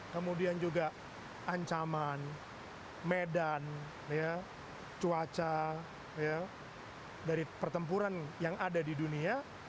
kemudian juga ancaman medan cuaca dari pertempuran yang ada di dunia